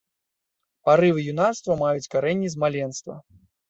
Парывы юнацтва маюць карэнні з маленства.